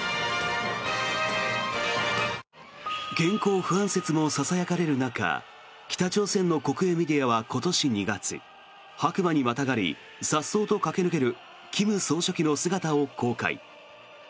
健康不安説もささやかれる中北朝鮮の国営メディアは今年２月白馬にまたがりさっそうと駆け抜ける金総書記の姿を公開。